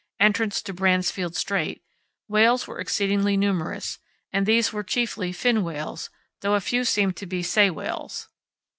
(entrance to Bransfield Strait), whales were exceedingly numerous, and these were chiefly fin whales, though a few seemed to be sei whales.